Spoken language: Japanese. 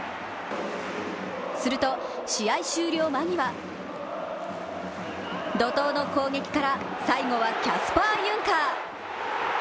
すると試合終了間際怒とうの攻撃から最後はキャスパー・ユンカー。